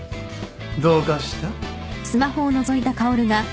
どうかした？